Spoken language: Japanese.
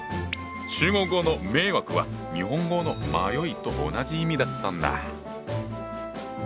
中国語の「迷惑」は日本語の「迷い」と同じ意味だったんだ。